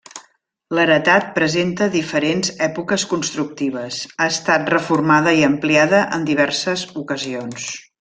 L'heretat presenta diferents èpoques constructives, ha estat reformada i ampliada en diverses ocasions.